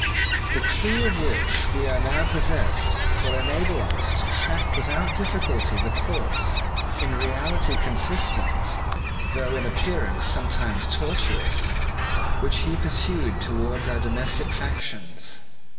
The clue of which we are now possessed will enable us to track without difficulty the course, in reality consistent, though in appearance sometimes tortuous, which he pursued towards our domestic factions.